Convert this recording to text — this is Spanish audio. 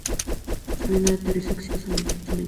Solamente un avión aterrizó exitosamente.